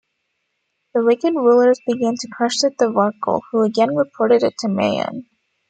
The wicked rulers began to crush the Thevarkal, who again reported it to Mayon.